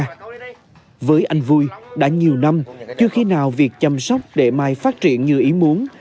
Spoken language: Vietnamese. thời điểm này vui đã nhiều năm chưa khi nào việc chăm sóc để mai phát triển như ý muốn